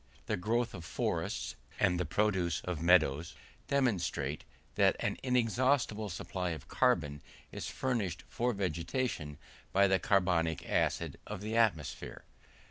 The growth of forests, and the produce of meadows, demonstrate that an inexhaustible quantity of carbon is furnished for vegetation by the carbonic acid of the atmosphere.